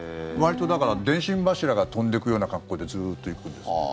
わりと、だから電信柱が飛んでいくような格好でずっと行くんですよ。